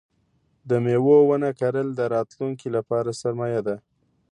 د مېوو ونه کرل د راتلونکي لپاره سرمایه ده.